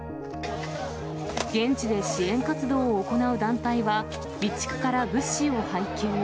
現地で支援活動を行う団体は、備蓄から物資を配給。